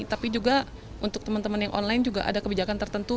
tapi juga untuk teman teman yang online juga ada kebijakan tertentu